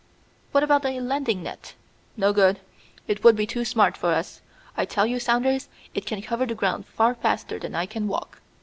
"What about a landing net?" "No good. It would be too smart for us. I tell you, Saunders, it can cover the ground far faster than I can walk.